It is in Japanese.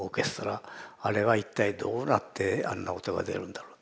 あれは一体どうなってあんな音が出るんだろうと。